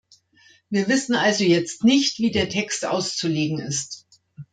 Wir wissen also jetzt nicht, wie der Text auszulegen ist.